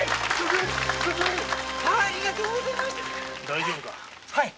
大丈夫か？